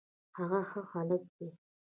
هغه ښه هلک دی